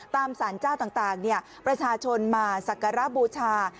ตามสารเจ้าต่างประชาชนมาสักการะบูชา